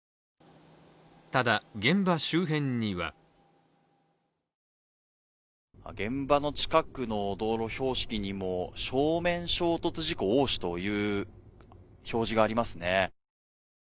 ただ現場周辺には現場の近くの道路標識にも正面衝突事故多しという表示がありますね。